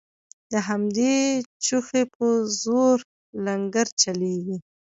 د همدې چوخې په زور لنګرچلیږي